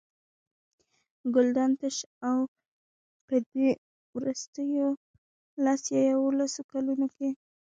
ګلدان تش و او په دې وروستیو لس یا یوولسو کلونو کې.